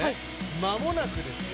まもなくですね